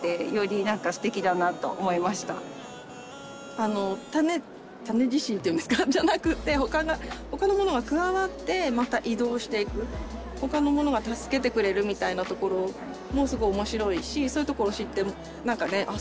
あの種種自身っていうんですかじゃなくって他のものが加わってまた移動していく他のものが助けてくれるみたいなところもすごいおもしろいしそういうところを知ってああ